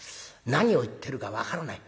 何を言ってるか分からない。